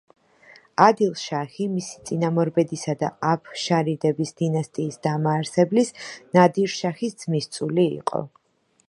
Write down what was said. ადილ-შაჰი მისი წინამორბედისა და აფშარიდების დინასტიის დამაარსებლის ნადირ-შაჰის ძმისწული იყო.